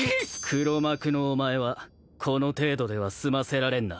黒幕のお前はこの程度では済ませられんな。